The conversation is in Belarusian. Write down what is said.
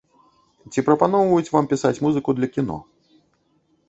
Ці прапаноўваюць вам пісаць музыку для кіно.